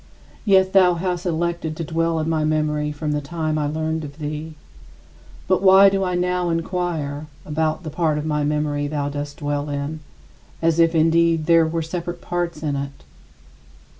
Yet thou hast elected to dwell in my memory from the time I learned of thee. But why do I now inquire about the part of my memory thou dost dwell in, as if indeed there were separate parts in it?